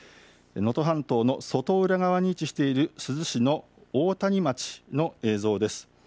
能登半島の外浦側に位置している珠洲市の大谷町の映像です。